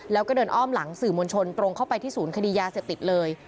แล้วก็เดินอ้อมหลังสื่อมวลชนตรงเข้าไปที่ศูนย์คดียาเสพติดเลย